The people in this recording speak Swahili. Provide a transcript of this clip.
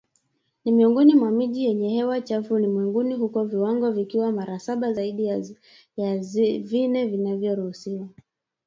ni miongoni mwa miji yenye hewa chafu ulimwenguni huku viwango vikiwa mara saba zaidi ya vile vinavyoruhusiwa